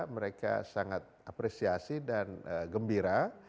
mereka sangat apresiasi dan gembira